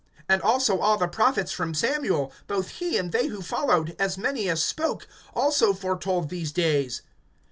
(24)And also all the prophets from Samuel, both he and they who followed, as many as spoke, also foretold these days.